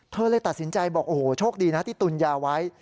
เลยตัดสินใจบอกโอ้โหโชคดีนะที่ตุนยาไว้